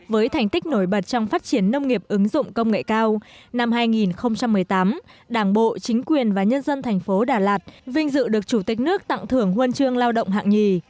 với thành tích nổi bật trong phát triển nông nghiệp ứng dụng công nghệ cao năm hai nghìn một mươi tám đảng bộ chính quyền và nhân dân thành phố đà lạt vinh dự được chủ tịch nước tặng thưởng huân chương lao động hạng nhì